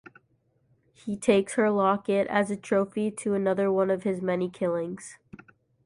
He takes her locket as a trophy to another one of his many killings.